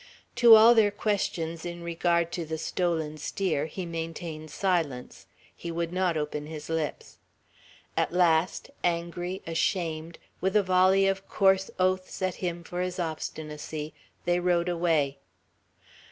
To all their questions in regard to the stolen steer, he maintained silence. He would not open his lips. At last, angry, ashamed, with a volley of coarse oaths at him for his obstinacy, they rode away.